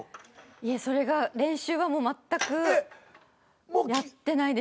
それが練習はもうまったくやってないです。